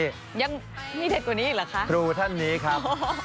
ยังมีเด็ดกว่านี้อีกเหรอคะ